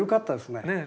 ねえ。